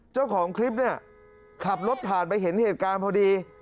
เจ้าของคลิปเนี่ยขับรถผ่านไปเห็นเหตุการณ์พอดี